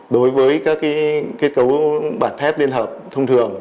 đối với các kết cấu bản thép liên hợp thông thường